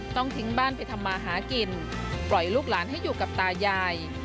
ต้องทิ้งบ้านไปทำมาหากินปล่อยลูกหลานให้อยู่กับตายาย